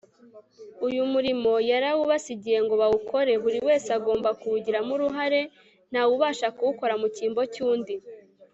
uyu murimo yarawubasigiye ngo bawukore. buri wese agomba kuwugiramo uruhare; nta wubasha kuwukora mu cyimbo cy'undi